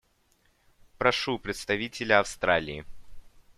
Прошу представителя Австралии.